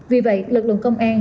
vì vậy lực lượng công an